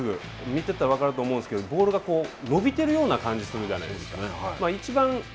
見てたら分かると思うんですけどボールが伸びているような感じがするじゃないですか。